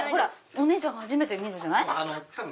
お姉ちゃん初めて見るんじゃない。